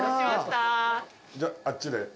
じゃああっちで。